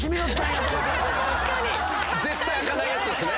絶対開かないやつですね。